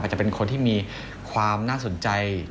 จะเป็นคนที่มีความน่าสนใจ